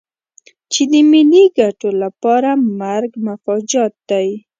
چې د ملي ګټو لپاره مرګ مفاجات دی.